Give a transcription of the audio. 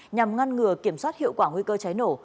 nhằm ngăn ngừa kiểm soát hiệu quả nguy cơ cháy nổ